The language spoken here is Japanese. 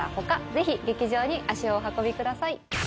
ぜひ劇場に足をお運びください。